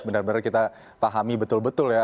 benar benar kita pahami betul betul ya